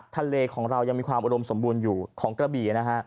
ทะเลของเรายังมีความอุดมสมบูรณ์อยู่ของกระบี่นะฮะ